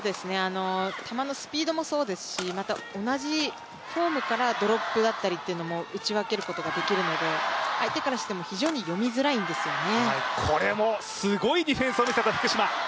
球のスピードもそうですし同じフォームからドロップだったりとかというのも打ち分けることができるので相手からしても非常に読みづらいんですよね。